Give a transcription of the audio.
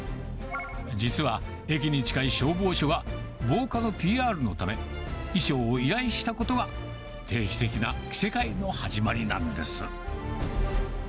実は駅に近い消防署が、防火のＰＲのため、衣装を依頼したことが定期的な着せ替えの始まりなんです。